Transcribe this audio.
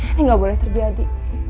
ini gak boleh terjadi